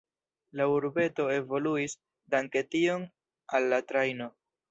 La urbeto evoluis, danke tion al la trajno.